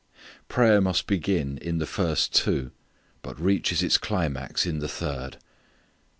Prayer must begin in the first two but reaches its climax in the third.